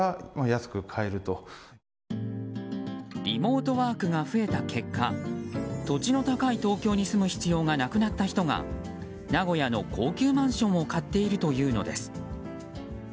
リモートワークが増えた結果土地の高い東京に住む必要がなくなった人が名古屋の高級マンションを買っているというのです。